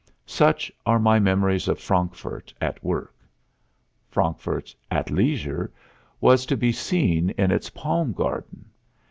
Such are my memories of Frankfurt at work. Frankfurt at leisure was to be seen in its Palm Garden.